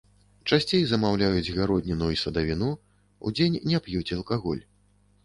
Часцей замаўляюць гародніну і садавіну, удзень не п'юць алкаголь.